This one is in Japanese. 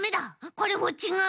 これもちがう！